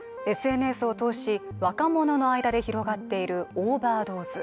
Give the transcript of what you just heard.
ＳＮＳを通し、若者の間で広がっているオーバードーズ。